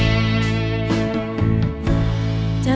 เพลงนี้เลย